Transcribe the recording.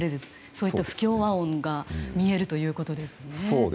そういった不協和音が見えるということですね。